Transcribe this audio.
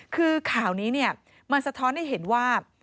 คือข่าวนี้มันสะท้อนให้เห็นว่า